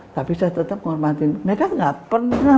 tapi saya tetap menghormati mereka enggak pernah